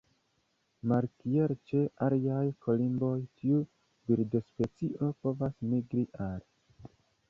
Malkiel ĉe aliaj kolimboj, tiu birdospecio povas migri are.